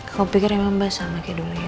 aku pikir emang mbak sama kayak dulu ya